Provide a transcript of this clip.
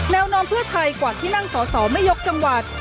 แนวโน้มเพื่อไทยกว่าที่นั่งสอสอไม่ยกจังหวัด